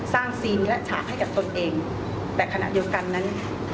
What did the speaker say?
ซีนและฉากให้กับตนเองแต่ขณะเดียวกันนั้น